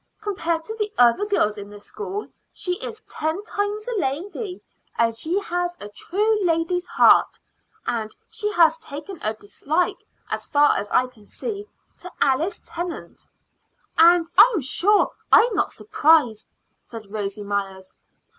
Compared to the other girls in the school, she is ten times a lady; and she has a true lady's heart. And she has taken a dislike, as far as I can see, to Alice Tennant." "And I'm sure I'm not surprised," said Rosy Myers.